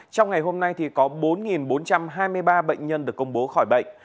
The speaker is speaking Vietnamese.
trong ngày hôm nay có bốn bốn trăm hai mươi ba bệnh nhân được công bố khỏi bệnh